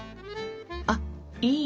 あっいい。